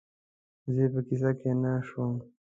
زه یې په قصه کې نه شوم